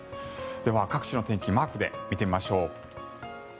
各地の天気マークで見てみましょう。